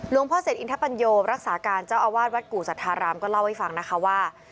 พ่อเศษอินทปัญโยรักษาการเจ้าอาวาสวัดกู่สัทธารามก็เล่าให้ฟังนะคะว่า